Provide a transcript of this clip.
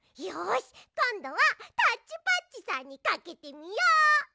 よしこんどはタッチパッチさんにかけてみよう。